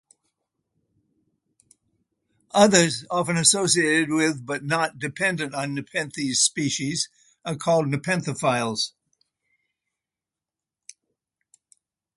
Others, often associated with but not dependent on "Nepenthes" species, are called nepenthophiles.